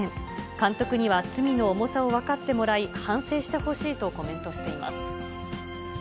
監督には罪の重さを分かってもらい、反省してほしいとコメントしています。